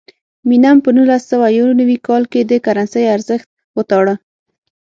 مینم په نولس سوه یو نوي کال کې د کرنسۍ ارزښت وتاړه.